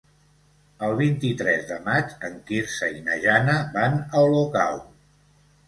El vint-i-tres de maig en Quirze i na Jana van a Olocau.